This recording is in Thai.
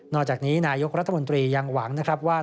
นอกจากนี้นายกรัฐมนตรียังหวังว่า